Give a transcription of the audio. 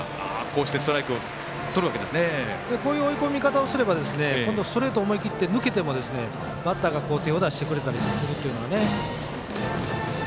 こういう追い込み方をすれば今度、ストレート思い切って抜けてもバッターが手を出してくれたりするというのがね。